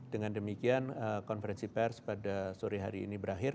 dengan demikian konferensi pers pada sore hari ini berakhir